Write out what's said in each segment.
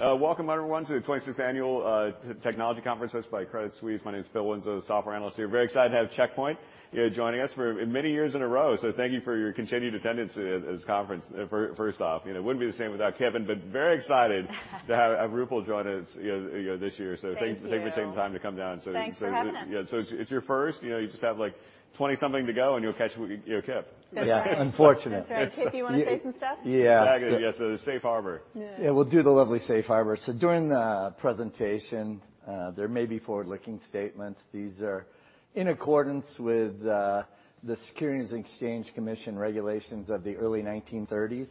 All right. Welcome everyone to the 26th Annual T-Technology Conference hosted by Credit Suisse. My name is Phil Winslow, software analyst here. Very excited to have Check Point, you know, joining us for many years in a row. So thank you for your continued attendance at this conference first off. You know, it wouldn't be the same without Kevin, but very excited to have Rupal join us, you know, this year. Thank you. Thanks for taking the time to come down. Thanks for having me. Yeah. it's your first, you know, you just have like 20-something to go and you'll catch, you know, Kip. That's right. Yeah, unfortunately. That's right. Kip, you want to say some stuff? Yeah. Yeah. The safe harbor. Yeah. Yeah. We'll do the lovely safe harbor. During the presentation, there may be forward-looking statements. These are in accordance with the Securities and Exchange Commission regulations of the early 1930s,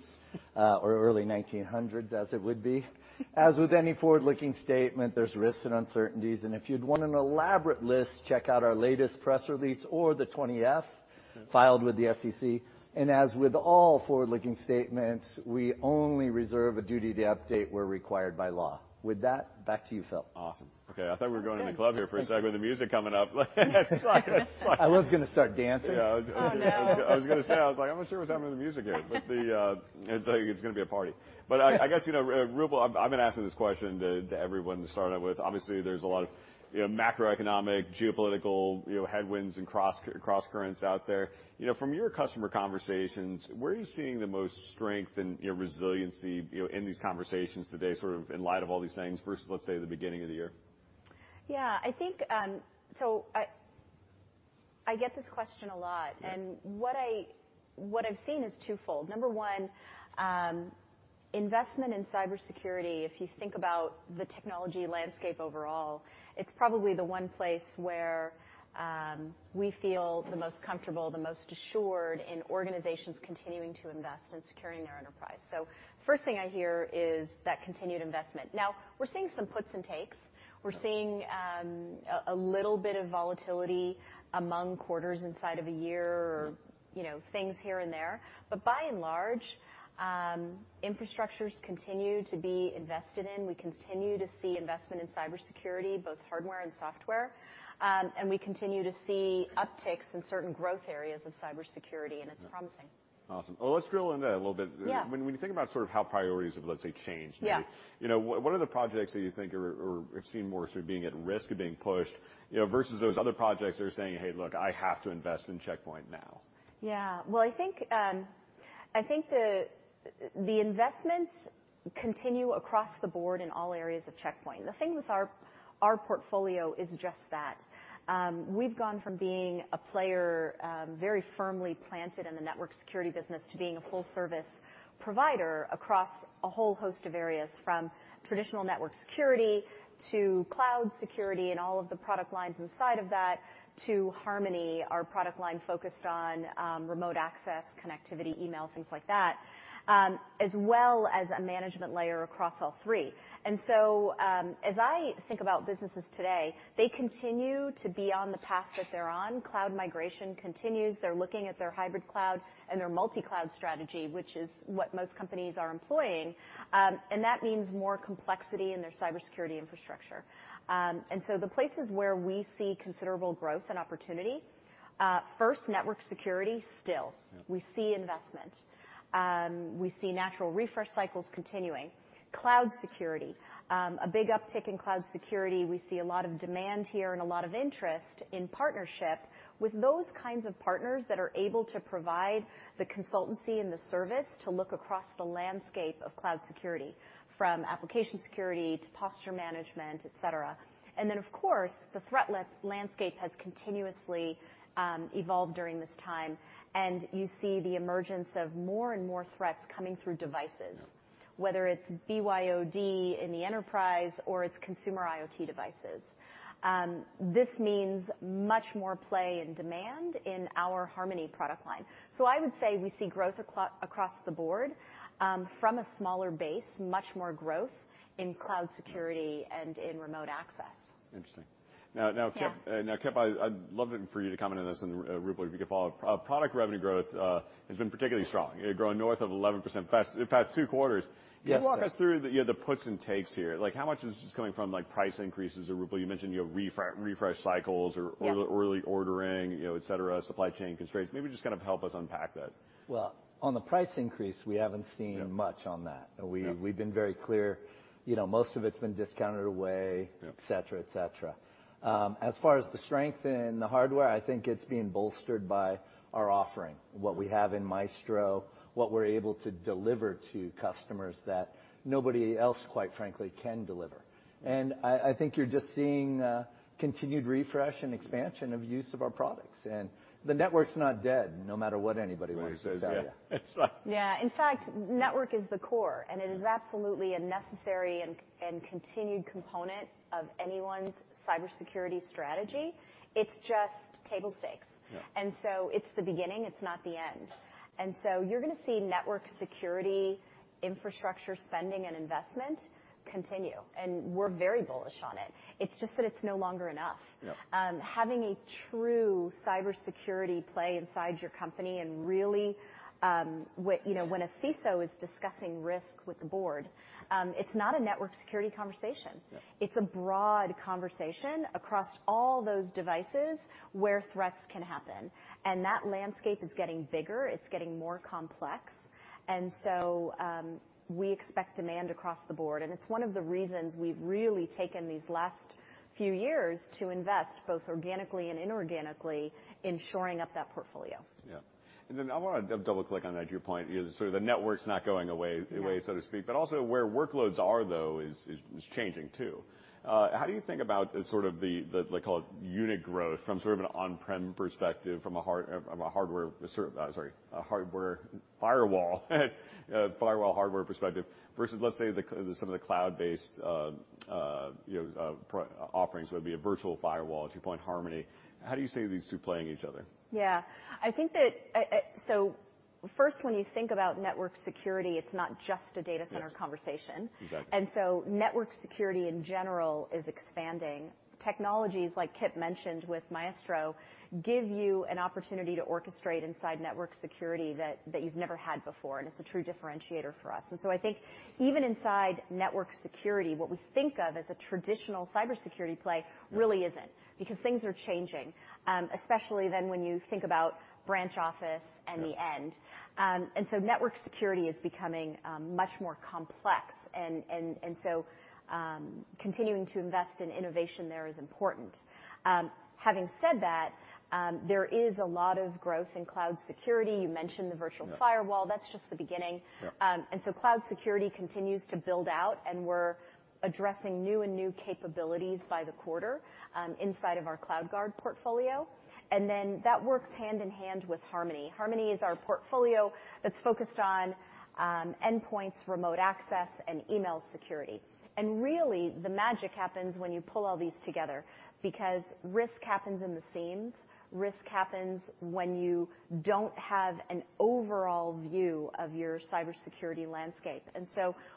or early 1900s, as it would be. As with any forward-looking statement, there's risks and uncertainties, and if you'd want an elaborate list, check out our latest press release or the 20-F filed with the SEC. As with all forward-looking statements, we only reserve a duty to update where required by law. With that, back to you, Phil. Awesome. Okay. I thought we were going to the club here for a second with the music coming up. I was going to start dancing. Yeah. Oh, yeah. I was gonna say, I was like, I'm not sure what's happening to the music here, but the... It's like it's gonna be a party. I guess, you know, Rupal, I've been asking this question to everyone to start out with. Obviously, there's a lot of, you know, macroeconomic, geopolitical, you know, headwinds and cross, crosscurrents out there. You know, from your customer conversations, where are you seeing the most strength and, you know, resiliency, you know, in these conversations today, sort of in light of all these things versus, let's say, the beginning of the year? Yeah, I think. I get this question a lot. Yeah. What I've seen is twofold. Number one, investment in cybersecurity, if you think about the technology landscape overall, it's probably the one place where we feel the most comfortable, the most assured in organizations continuing to invest in securing their enterprise. First thing I hear is that continued investment. Now, we're seeing some puts and takes. We're seeing a little bit of volatility among quarters inside of a year. Mm-hmm. you know, things here and there. By and large, infrastructures continue to be invested in. We continue to see investment in cybersecurity, both hardware and software. We continue to see upticks in certain growth areas of cybersecurity, and it's promising. Awesome. Well, let's drill into that a little bit. Yeah. When you think about sort of how priorities have, let's say, changed... Yeah. you know, what are the projects that you think we've seen more sort of being at risk of being pushed, you know, versus those other projects that are saying, "Hey, look, I have to invest in Check Point now. Yeah. Well, I think, the investments continue across the board in all areas of Check Point. The thing with our portfolio is just that. We've gone from being a player, very firmly planted in the network security business to being a full service provider across a whole host of areas, from traditional network security to cloud security and all of the product lines inside of that, to Harmony, our product line focused on, remote access, connectivity, email, things like that, as well as a management layer across all three. As I think about businesses today, they continue to be on the path that they're on. Cloud migration continues. They're looking at their hybrid cloud and their multi-cloud strategy, which is what most companies are employing, and that means more complexity in their cybersecurity infrastructure. The places where we see considerable growth and opportunity, first network security still. Yeah. We see investment. We see natural refresh cycles continuing. Cloud security. A big uptick in cloud security. We see a lot of demand here and a lot of interest in partnership with those kinds of partners that are able to provide the consultancy and the service to look across the landscape of cloud security, from application security to posture management, et cetera. Of course, the threat landscape has continuously evolved during this time, and you see the emergence of more and more threats coming through devices. Yeah. Whether it's BYOD in the enterprise or it's consumer IoT devices. This means much more play and demand in our Harmony product line. I would say we see growth across the board, from a smaller base, much more growth in cloud security and in remote access. Interesting. Now. Yeah. Kip, I'd love for you to comment on this, and Rupal, if you could follow. Product revenue growth has been particularly strong, growing north of 11% fast the past two quarters. Yes. Can you walk us through the puts and takes here? Like, how much is this coming from, like, price increases or, Rupal, you mentioned, you know, refresh cycles or early ordering... Yeah... you know, et cetera, supply chain constraints. Maybe just kind of help us unpack that. Well, on the price increase, we haven't seen much on that. Yeah. We've been very clear. You know, most of it's been discounted away. Yeah... et cetera, et cetera. As far as the strength in the hardware, I think it's being bolstered by our offering, what we have in Maestro, what we're able to deliver to customers that nobody else, quite frankly, can deliver. I think you're just seeing continued refresh and expansion of use of our products. The network's not dead, no matter what anybody wants to tell you. Right. It's, yeah. Yeah. In fact, network is the core, and it is absolutely a necessary and continued component of anyone's cybersecurity strategy. It's just table stakes. Yeah. It's the beginning, it's not the end. You're gonna see network security, infrastructure spending and investment continue, and we're very bullish on it. It's just that it's no longer enough. Yeah. Having a true cybersecurity play inside your company and really, you know, when a CISO is discussing risk with the board, it's not a network security conversation. Yeah. It's a broad conversation across all those devices where threats can happen. That landscape is getting bigger, it's getting more complex. We expect demand across the board, and it's one of the reasons we've really taken these last few years to invest both organically and inorganically in shoring up that portfolio. Yeah. I wanna double click on that, your point, you know, sort of the network's not going away. Yeah... away, so to speak, but also where workloads are though is changing too. How do you think about the sort of the, let's call it unit growth from sort of an on-prem perspective from a hardware firewall, sorry, a hardware firewall hardware perspective versus let's say the some of the cloud-based, you know, offerings, whether it be a virtual firewall if you put in Harmony. How do you see these two playing each other? Yeah. I think that, first, when you think about network security, it's not just a data center conversation. Yes. Exactly. Network security, in general, is expanding. Technologies, like Kip mentioned with Maestro, give you an opportunity to orchestrate inside network security that you've never had before, and it's a true differentiator for us. I think even inside network security, what we think of as a traditional cybersecurity. Yeah... really isn't, because things are changing, especially then when you think about branch office and the end. Network security is becoming much more complex. Continuing to invest in innovation there is important. Having said that, there is a lot of growth in cloud security. You mentioned the virtual firewall. Yeah. That's just the beginning. Yeah. Cloud security continues to build out, and we're addressing new and new capabilities by the quarter inside of our CloudGuard portfolio. That works hand in hand with Harmony. Harmony is our portfolio that's focused on endpoints, remote access, and email security. Really, the magic happens when you pull all these together because risk happens in the seams. Risk happens when you don't have an overall view of your cybersecurity landscape.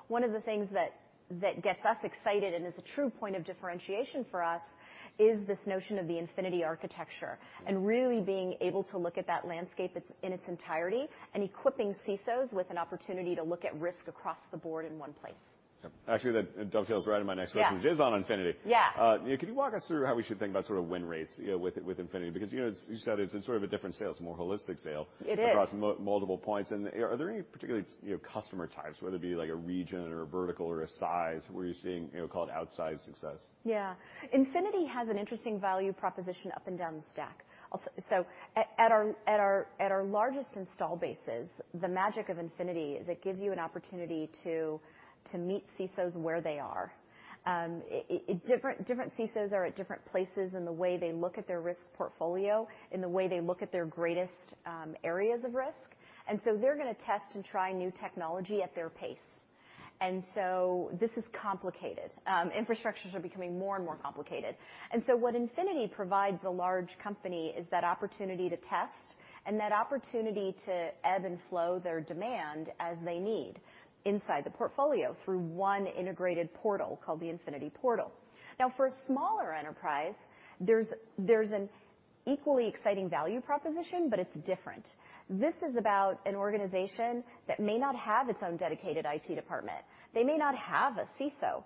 One of the things that gets us excited and is a true point of differentiation for us is this notion of the Infinity architecture, and really being able to look at that landscape in its entirety and equipping CISOs with an opportunity to look at risk across the board in one place. Yeah. Actually, that dovetails right into my next question- Yeah... which is on Infinity. Yeah. Yeah, can you walk us through how we should think about sort of win rates, you know, with Infinity? Because, you know, as you said, it's sort of a different sale. It's a more holistic sale. It is... across multiple points. Are there any particular, you know, customer types, whether it be like a region or a vertical or a size, where you're seeing, you know, call it outsized success? Yeah. Infinity has an interesting value proposition up and down the stack. At our largest install bases, the magic of Infinity is it gives you an opportunity to meet CISOs where they are. Different CISOs are at different places in the way they look at their risk portfolio, in the way they look at their greatest areas of risk, they're gonna test and try new technology at their pace. This is complicated. Infrastructures are becoming more and more complicated. What Infinity provides a large company is that opportunity to test and that opportunity to ebb and flow their demand as they need inside the portfolio through one integrated portal called the Infinity Portal. For a smaller enterprise, there's an equally exciting value proposition, but it's different. This is about an organization that may not have its own dedicated IT department. They may not have a CISO,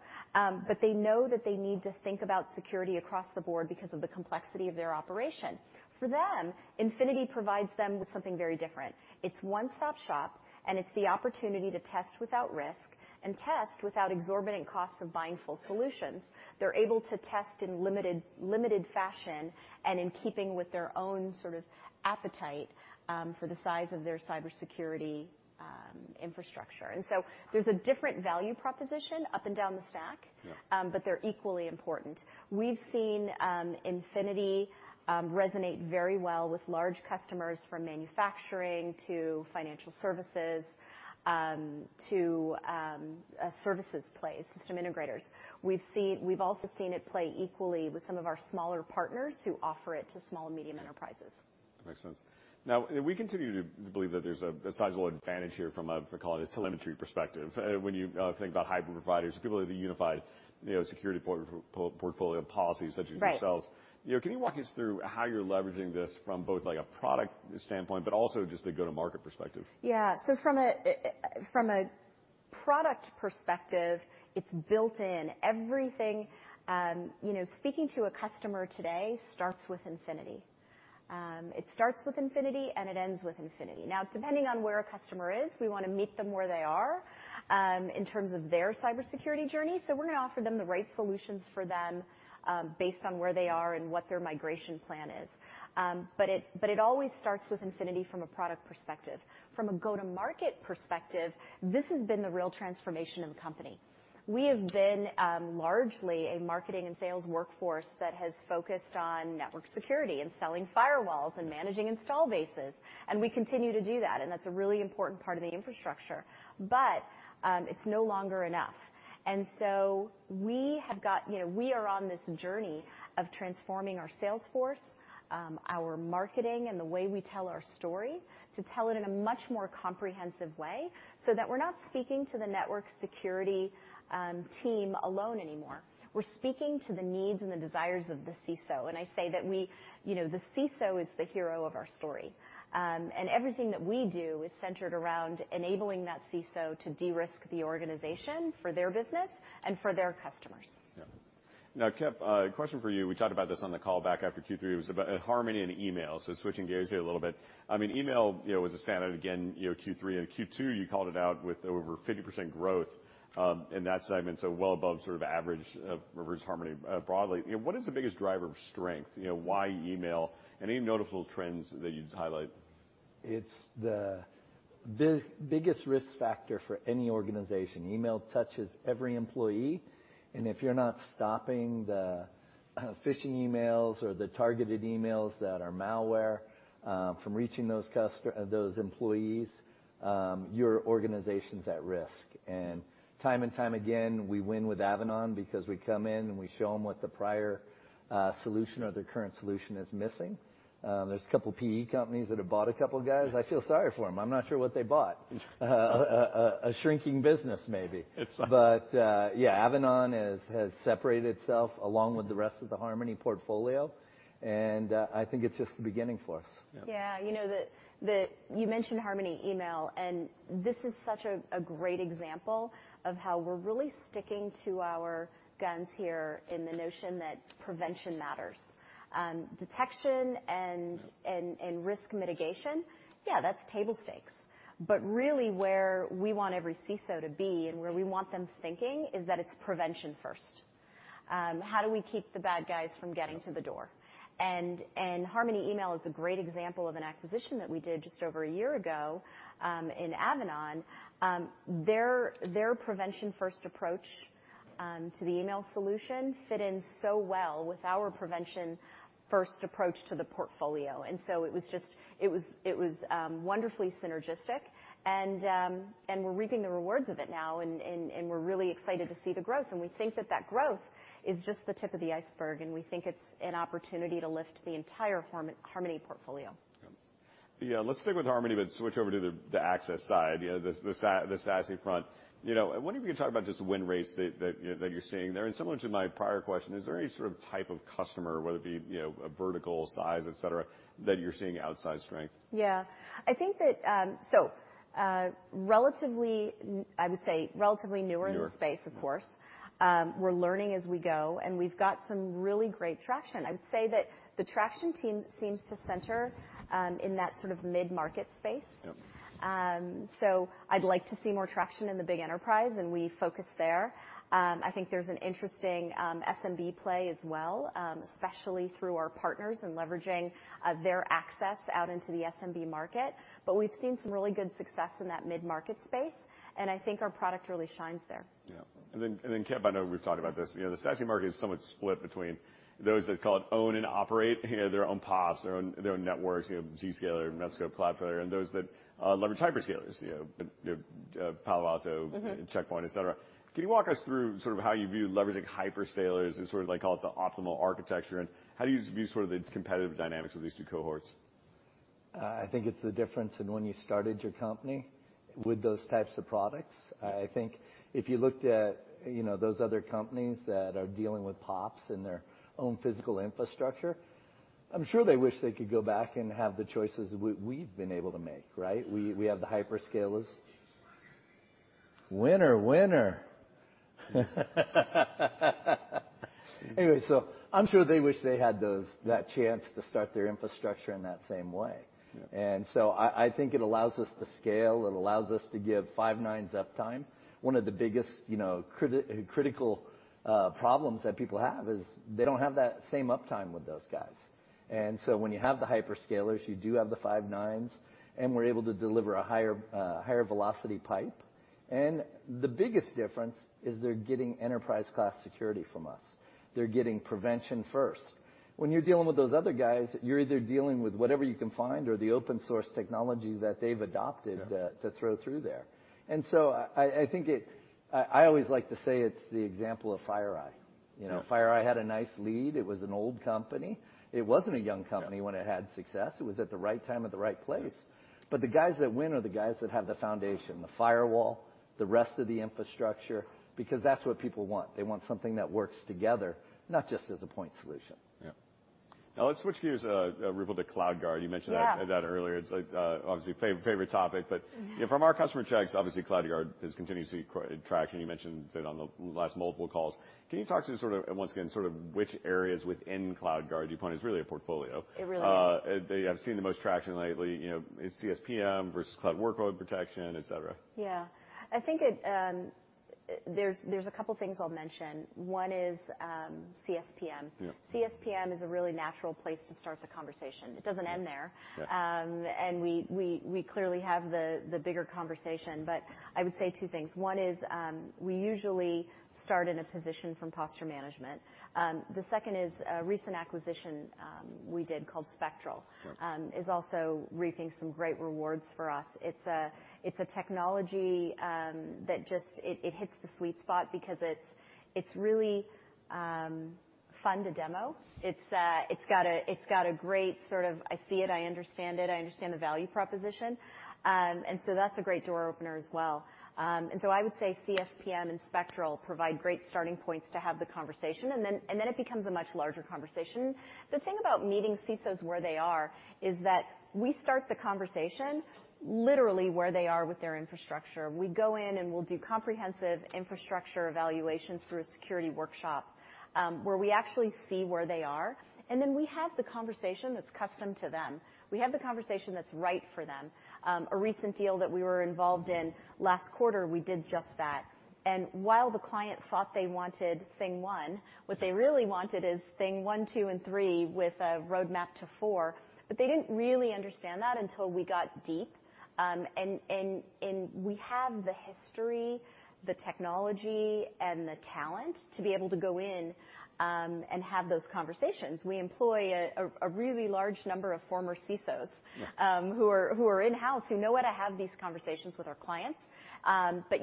but they know that they need to think about security across the board because of the complexity of their operation. For them, Infinity provides them with something very different. It's one-stop shop, and it's the opportunity to test without risk and test without exorbitant costs of buying full solutions. They're able to test in limited fashion and in keeping with their own sort of appetite for the size of their cybersecurity infrastructure. There's a different value proposition up and down the stack. Yeah. They're equally important. We've seen Infinity resonate very well with large customers from manufacturing to financial services, to a services play, system integrators. We've also seen it play equally with some of our smaller partners who offer it to small and medium enterprises. That makes sense. We continue to believe that there's a sizable advantage here from a, call it, a telemetry perspective, when you think about hybrid providers or people with a unified, you know, security portfolio policy such as yourselves. Right. You know, can you walk us through how you're leveraging this from both, like, a product standpoint but also just a go-to-market perspective? From a product perspective, it's built in. Everything, you know, speaking to a customer today starts with Infinity. It starts with Infinity, and it ends with Infinity. Depending on where a customer is, we wanna meet them where they are in terms of their cybersecurity journey, we're gonna offer them the right solutions for them based on where they are and what their migration plan is. But it always starts with Infinity from a product perspective. From a go-to-market perspective, this has been the real transformation of the company. We have been largely a marketing and sales workforce that has focused on network security and selling firewalls and managing install bases, and we continue to do that, and that's a really important part of the infrastructure. It's no longer enough. We have got, you know, we are on this journey of transforming our sales force, our marketing and the way we tell our story, to tell it in a much more comprehensive way so that we're not speaking to the network security team alone anymore. We're speaking to the needs and the desires of the CISO, and I say that we, you know, the CISO is the hero of our story. Everything that we do is centered around enabling that CISO to de-risk the organization for their business and for their customers. Now, Kip, a question for you. We talked about this on the call back after Q3. It was about Harmony and email, so switching gears here a little bit. I mean, email, you know, was a standout again, you know, Q3 and Q2, you called it out with over 50% growth in that segment, so well above sort of average, reverse Harmony, broadly. You know, what is the biggest driver of strength? You know, why email? Any noticeable trends that you'd highlight? It's the biggest risk factor for any organization. Email touches every employee, and if you're not stopping the phishing emails or the targeted emails that are malware from reaching those employees, your organization's at risk. Time and time again, we win with Avanan because we come in, and we show them what the prior solution or their current solution is missing. There's a couple PE companies that have bought a couple guys. I feel sorry for them. I'm not sure what they bought. A shrinking business maybe. It's- Yeah, Avanan has separated itself along with the rest of the Harmony portfolio, and I think it's just the beginning for us. Yeah. Yeah. You know, you mentioned Harmony Email, this is such a great example of how we're really sticking to our guns here in the notion that prevention matters. Detection and risk mitigation, yeah, that's table stakes. Really where we want every CISO to be and where we want them thinking is that it's prevention first. How do we keep the bad guys from getting to the door? Harmony Email is a great example of an acquisition that we did just over a year ago in Avanan. Their prevention-first approach to the email solution fit in so well with our prevention-first approach to the portfolio. It was just, it was wonderfully synergistic and we're reaping the rewards of it now. We're really excited to see the growth, and we think that that growth is just the tip of the iceberg. We think it's an opportunity to lift the entire Harmony portfolio. Yeah. Yeah. Let's stick with Harmony, but switch over to the access side. You know, the SASE front. You know, I wonder if you could talk about just win rates that, you know, that you're seeing there. Similar to my prior question, is there any sort of type of customer, whether it be, you know, a vertical size, et cetera, that you're seeing outsized strength? Yeah. I think that, so, relatively, I would say relatively newer-. Newer... in the space, of course. We're learning as we go, and we've got some really great traction. I would say that the traction team seems to center, in that sort of mid-market space. Yep. I'd like to see more traction in the big enterprise, and we focus there. I think there's an interesting SMB play as well, especially through our partners and leveraging their access out into the SMB market. We've seen some really good success in that mid-market space, and I think our product really shines there. Yeah. Then, Kip, I know we've talked about this. You know, the SASE market is somewhat split between those that call it own and operate, you know, their own POPs, their own, their own networks, you know, Zscaler, Netskope, Cloudflare, and those that leverage hyperscalers. Mm-hmm... Check Point, et cetera. Can you walk us through sort of how you view leveraging hyperscalers as sort of like, call it the optimal architecture, and how do you view sort of the competitive dynamics of these two cohorts? I think it's the difference in when you started your company with those types of products. I think if you looked at, you know, those other companies that are dealing with POPs and their own physical infrastructure, I'm sure they wish they could go back and have the choices we've been able to make, right? We have the hyperscalers. Winner, winner. I'm sure they wish they had that chance to start their infrastructure in that same way. Yeah. I think it allows us to scale. It allows us to give five nines uptime. One of the biggest, you know, critical problems that people have is they don't have that same uptime with those guys. When you have the hyperscalers, you do have the five nines, and we're able to deliver a higher velocity pipe. The biggest difference is they're getting enterprise-class security from us. They're getting prevention first. When you're dealing with those other guys, you're either dealing with whatever you can find or the open source technology that they've adopted. Yeah to throw through there. I think it. I always like to say it's the example of FireEye. Yeah. You know, FireEye had a nice lead. It was an old company. It wasn't a young company when it had success. It was at the right time at the right place. Yeah. The guys that win are the guys that have the foundation, the firewall, the rest of the infrastructure, because that's what people want. They want something that works together, not just as a point solution. Yeah. Now let's switch gears, Rupal, to CloudGuard. You mentioned. Yeah... that earlier. It's, like, obviously a favorite topic. Mm-hmm. You know, from our customer checks, obviously CloudGuard is continuously tracking. You mentioned it on the last multiple calls. Can you talk to sort of, and once again, sort of which areas within CloudGuard Check Point is really a portfolio? It really is. They have seen the most traction lately, you know, is CSPM versus cloud workload protection, et cetera. Yeah. I think it, there's a couple things I'll mention. One is, CSPM. Yeah. CSPM is a really natural place to start the conversation. It doesn't end there. Yeah. We clearly have the bigger conversation, but I would say two things. One is, we usually start in a position from posture management. The second is a recent acquisition, we did called Spectral- Right is also reaping some great rewards for us. It's a technology that just it hits the sweet spot because it's really fun to demo. It's got a great sort of, I see it, I understand it, I understand the value proposition. That's a great door opener as well. I would say CSPM and Spectral provide great starting points to have the conversation, and then it becomes a much larger conversation. The thing about meeting CISOs where they are is that we start the conversation literally where they are with their infrastructure. We go in, and we'll do comprehensive infrastructure evaluations through a security workshop, where we actually see where they are. Then we have the conversation that's custom to them. We have the conversation that's right for them. A recent deal that we were involved in last quarter, we did just that. While the client thought they wanted thing one, what they really wanted is thing one, thing two, and thing three with a roadmap to thing four. They didn't really understand that until we got deep. And we have the history, the technology, and the talent to be able to go in, and have those conversations. We employ a really large number of former CISOs. Yeah. who are in-house, who know how to have these conversations with our clients.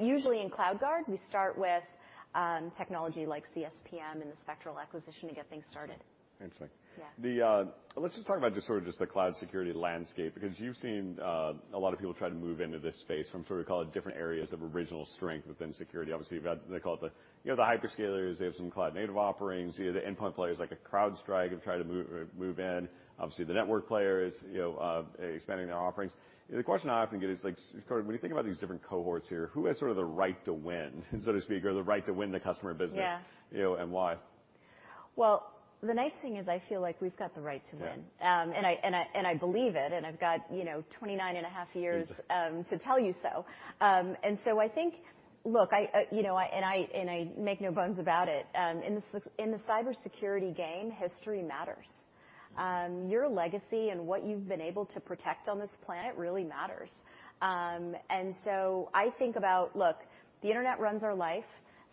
Usually in CloudGuard, we start with, technology like CSPM and the Spectral acquisition to get things started. Interesting. Yeah. The, let's just talk about just sort of just the cloud security landscape, because you've seen a lot of people try to move into this space from sort of call it different areas of original strength within security. Obviously, you've got, they call it the, you know, the hyperscalers. They have some cloud native offerings. You have the endpoint players like a CrowdStrike have tried to move in. Obviously, the network players, you know, expanding their offerings. The question I often get is like, sort of when you think about these different cohorts here, who has sort of the right to win, so to speak, or the right to win the customer business- Yeah. you know, why? Well, the nice thing is I feel like we've got the right to win. Yeah. I, and I, and I believe it, and I've got, you know, 29.5 years to tell you so. So I think... Look, I, you know, and I, and I make no bones about it. In the cybersecurity game, history matters. Your legacy and what you've been able to protect on this planet really matters. So I think about, look, the Internet runs our life.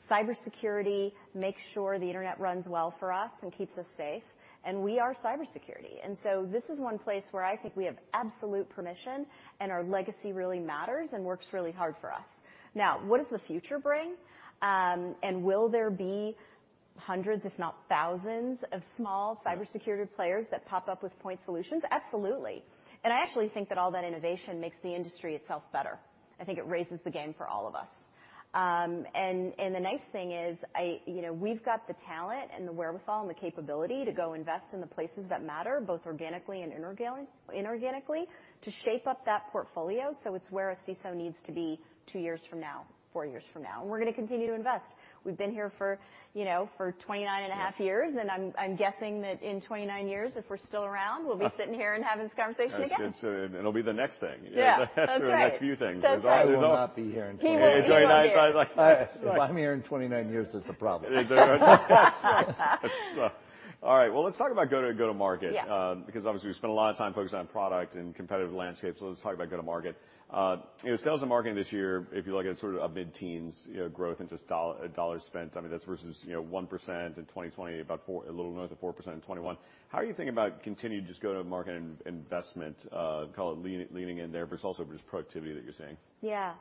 Cybersecurity makes sure the Internet runs well for us and keeps us safe, and we are cybersecurity. So this is one place where I think we have absolute permission, and our legacy really matters and works really hard for us. Now, what does the future bring? Will there be hundreds, if not thousands, of small cybersecurity players that pop up with point solutions? Absolutely. I actually think that all that innovation makes the industry itself better. I think it raises the game for all of us. The nice thing is You know, we've got the talent and the wherewithal and the capability to go invest in the places that matter, both organically and inorganically, to shape up that portfolio so it's where a CISO needs to be two years from now, four years from now. We're gonna continue to invest. We've been here for you know 29.5 Years, and I'm guessing that in 29 years, if we're still around, we'll be sitting here and having this conversation again. That's good. It'll be the next thing. Yeah. That's right. The next few things. Fun. There's al- I will not be here in 29 years. He will be here. In 29... I... Right. If I'm here in 29 years, there's a problem. Is there? All right. Well, let's talk about go-to-market- Yeah. Because obviously we spent a lot of time focused on product and competitive landscape, let's talk about go-to-market. You know, sales and marketing this year, if you look at sort of a mid-teens, you know, growth into dollars spent, I mean, that's versus, you know, 1% in 2020, a little north of 4% in 2021. How are you thinking about continued just go-to-market investment? Call it leaning in there, but it's also just productivity that you're seeing. Yeah.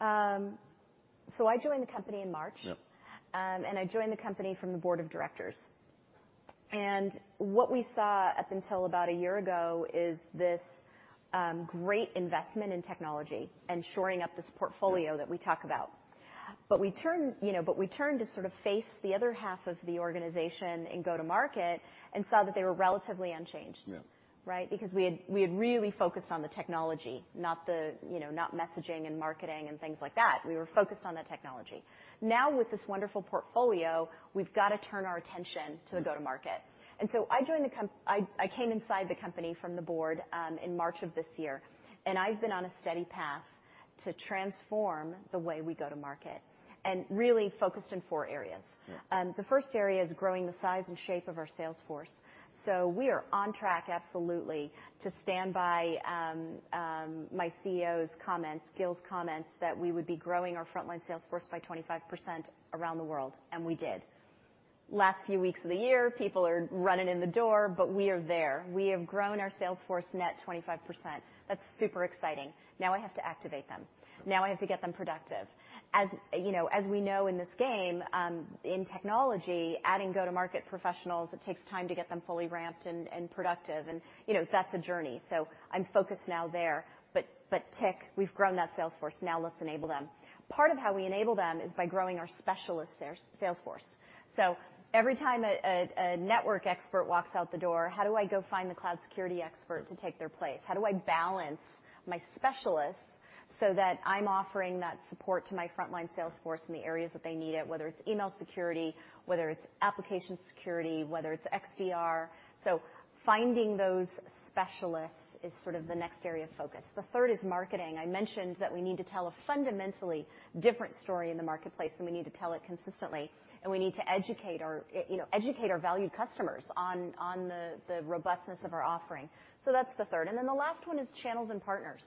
I joined the company in March. Yeah. I joined the company from the board of directors. What we saw up until about a year ago is this, great investment in technology and shoring up this portfolio that we talk about. We turned, you know, to sort of face the other half of the organization in go-to-market and saw that they were relatively unchanged. Yeah. Right? Because we had really focused on the technology, not the, you know, not messaging and marketing and things like that. We were focused on the technology. Now, with this wonderful portfolio, we've got to turn our attention to the go-to-market. I came inside the company from the board in March of this year, and I've been on a steady path to transform the way we go to market and really focused in four areas. Yeah. The first area is growing the size and shape of our sales force. We are on track absolutely to stand by my CEO's comments, Gil's comments, that we would be growing our frontline sales force by 25% around the world, and we did. Last few weeks of the year, people are running in the door, but we are there. We have grown our sales force net 25%. That's super exciting. Now I have to activate them. Now I have to get them productive. As, you know, as we know in this game, in technology, adding go-to-market professionals, it takes time to get them fully ramped and productive and, you know, that's a journey. I'm focused now there. But tick, we've grown that sales force. Now let's enable them. Part of how we enable them is by growing our specialist sales force. Every time a network expert walks out the door, how do I go find the cloud security expert to take their place? How do I balance my specialists so that I'm offering that support to my frontline sales force in the areas that they need it, whether it's email security, whether it's application security, whether it's XDR. Finding those specialists is sort of the next area of focus. The third is marketing. I mentioned that we need to tell a fundamentally different story in the marketplace, and we need to tell it consistently, and we need to educate our, you know, educate our valued customers on the robustness of our offering. That's the third. The last one is channels and partners.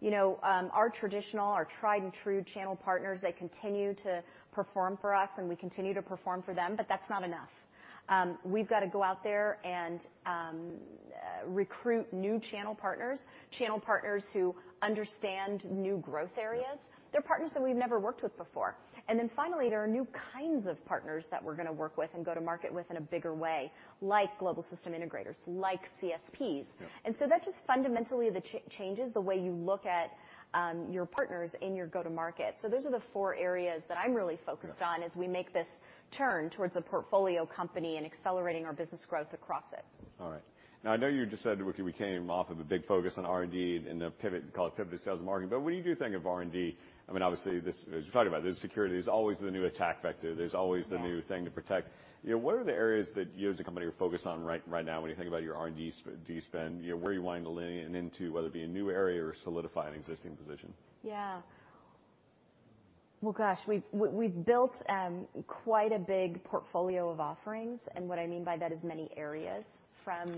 You know, our traditional, our tried and true channel partners, they continue to perform for us, and we continue to perform for them, but that's not enough. We've got to go out there and recruit new channel partners, channel partners who understand new growth areas. Yeah. They're partners that we've never worked with before. Finally, there are new kinds of partners that we're gonna work with and go to market with in a bigger way, like global system integrators, like CSPs. Yeah. That just fundamentally the changes the way you look at, your partners in your go-to-market. Those are the four areas that I'm really focused on. Yeah. As we make this turn towards a portfolio company and accelerating our business growth across it. All right. I know you just said we came off of a big focus on R&D and the pivot, call it pivot to sales and marketing. When you do think of R&D, I mean, obviously, this, as we talked about, there's security. There's always the new attack vector. There's always the new thing to protect. You know, what are the areas that you as a company are focused on right now when you think about your R&D spend? You know, where are you wanting to lean into, whether it be a new area or solidify an existing position? Yeah. Well, gosh, we've built quite a big portfolio of offerings, and what I mean by that is many areas, from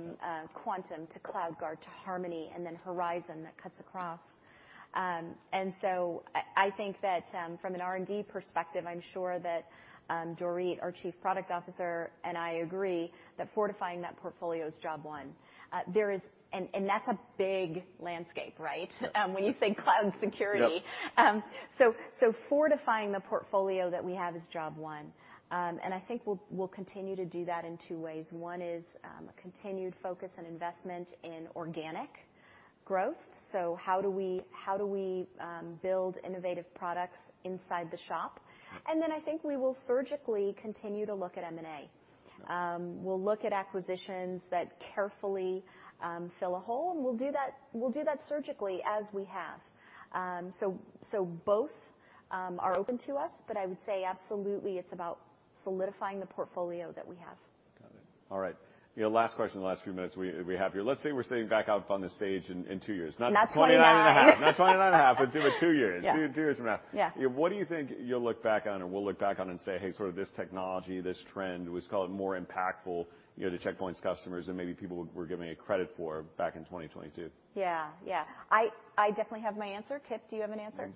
Quantum to CloudGuard to Harmony and then Horizon that cuts across. So I think that from an R&D perspective, I'm sure that Dorit, our Chief Product Officer, and I agree that fortifying that portfolio is job one. There is... That's a big landscape, right? When you say cloud security. Yep. So fortifying the portfolio that we have is job one. And I think we'll continue to do that in two ways. One is a continued focus on investment in organic growth. How do we build innovative products inside the shop? Then I think we will surgically continue to look at M&A. We'll look at acquisitions that carefully fill a hole, and we'll do that surgically as we have. So both are open to us, but I would say absolutely it's about solidifying the portfolio that we have. Got it. All right. You know, last question, the last few minutes we have here. Let's say we're sitting back up on the stage in two years. Not 29.5 years. Not 29.5 years. Two years. Yeah. Two years from now. Yeah. What do you think you'll look back on or we'll look back on and say, "Hey, sort of this technology, this trend was," call it, "more impactful," you know, to Check Point's customers than maybe people were giving it credit for back in 2022? Yeah. Yeah. I definitely have my answer. Kip, do you have an answer?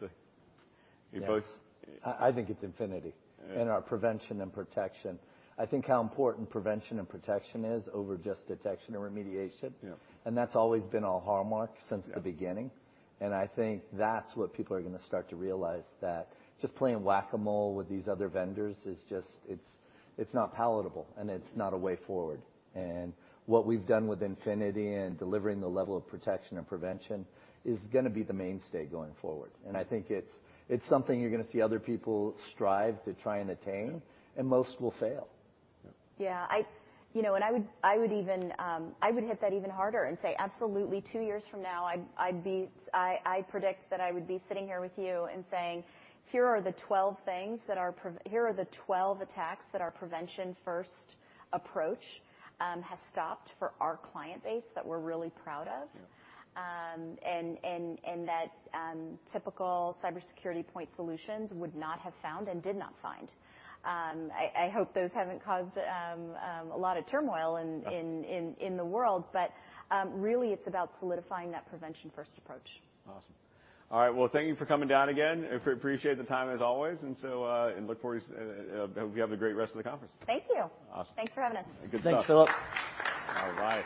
You both. Yes. I think it's Infinity. Yeah ... and our prevention and protection. I think how important prevention and protection is over just detection and remediation. Yeah. That's always been our hallmark since the beginning. Yeah. I think that's what people are gonna start to realize, that just playing Whac-A-Mole with these other vendors is just. It's not palatable, and it's not a way forward. What we've done with Infinity and delivering the level of protection and prevention is gonna be the mainstay going forward. I think it's something you're gonna see other people strive to try and attain, and most will fail. Yeah. Yeah. I, you know, I would even hit that even harder and say absolutely two years from now, I predict that I would be sitting here with you and saying, "Here are the 12 attacks that our prevention first approach has stopped for our client base that we're really proud of. Yeah. That, typical cybersecurity point solutions would not have found and did not find. I hope those haven't caused a lot of turmoil in the world, but really it's about solidifying that prevention first approach. Awesome. All right. Well, thank you for coming down again. Appreciate the time as always, and so, and look forward to hope you have a great rest of the conference. Thank you. Awesome. Thanks for having us. Good stuff. Thanks, Philip. All right.